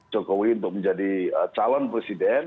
jokowi untuk menjadi calon presiden